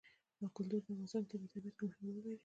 کلتور د افغانستان په طبیعت کې مهم رول لري.